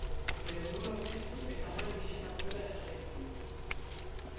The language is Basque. Bere burua aurkeztu eta Manu izena duela esaten dio.